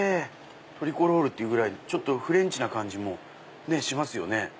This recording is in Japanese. トリコロールっていうぐらいフレンチな感じもしますよね。